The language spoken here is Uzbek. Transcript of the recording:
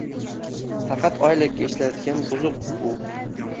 Faqat oylikka ishlaydigan buzuq u.